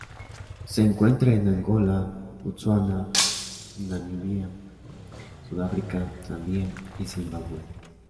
Se encuentra en Angola, Botsuana, Namibia, Sudáfrica, Zambia, y Zimbabue.